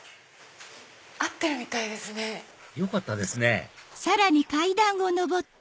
合ってるみたいですね。よかったですね